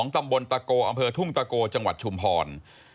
ตำบลตะโกอำเภอทุ่งตะโกจังหวัดชุมพร